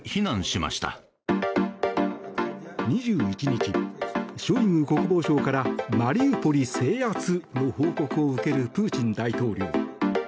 ２１日、ショイグ国防相からマリウポリ制圧の報告を受けるプーチン大統領。